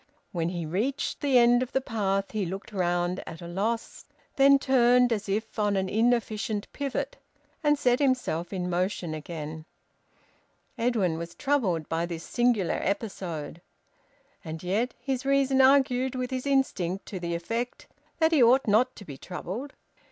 When he reached the end of the path, he looked round, at a loss, then turned, as if on an inefficient pivot, and set himself in motion again. Edwin was troubled by this singular episode. And yet his reason argued with his instinct to the effect that he ought not to be troubled.